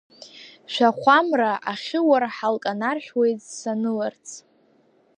Шәахәа мра ахьы уарҳал канаршәуеит саныларац.